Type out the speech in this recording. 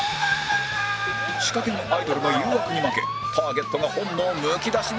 仕掛け人アイドルの誘惑に負けターゲットが本能むき出しで大暴走！